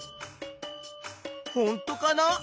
ほんとかな？